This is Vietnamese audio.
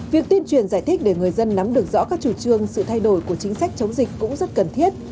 việc tuyên truyền giải thích để người dân nắm được rõ các chủ trương sự thay đổi của chính sách chống dịch cũng rất cần thiết